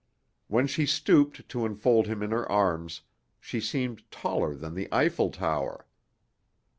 When she stooped to enfold him in her arms, she seemed taller than the Eiffel Tower.